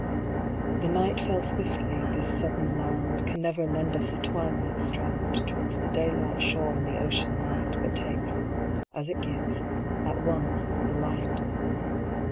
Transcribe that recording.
The night fell swiftly; this sudden land Can never lend us a twilight strand 'Twixt the daylight shore and the ocean night, But takes as it gives at once, the light.